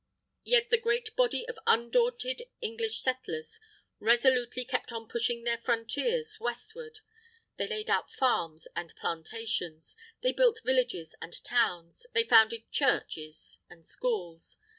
Yet the great body of undaunted English settlers, resolutely kept on pushing their frontiers westward. They laid out farms and plantations, they built villages and towns, they founded churches and schools.